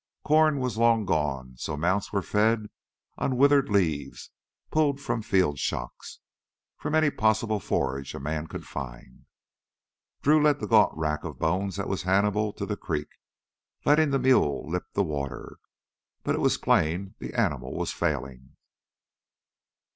Corn was long gone, so mounts were fed on withered leaves pulled from field shocks, from any possible forage a man could find. Drew led the gaunt rack of bones that was Hannibal to the creek, letting the mule lip the water. But it was plain the animal was failing.